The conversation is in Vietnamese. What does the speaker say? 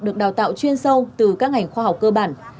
được đào tạo chuyên sâu từ các ngành khoa học cơ bản